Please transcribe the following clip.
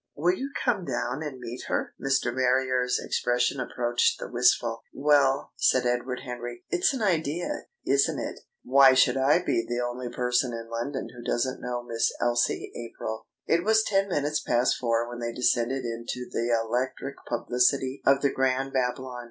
"Will you come down and meet her?" Mr. Marrier's expression approached the wistful. "Well," said Edward Henry, "it's an idea, isn't it? Why should I be the only person in London who doesn't know Miss Elsie April?" It was ten minutes past four when they descended into the electric publicity of the Grand Babylon.